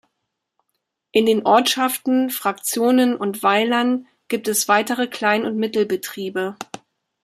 In den Ortschaften, Fraktionen und Weilern gibt es weitere Klein- und Mittelbetriebe.